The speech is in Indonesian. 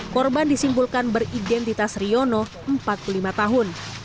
korban disimpulkan beridentitas riono empat puluh lima tahun